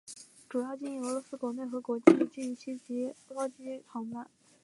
主要经营俄罗斯国内和国际定期及包机航班。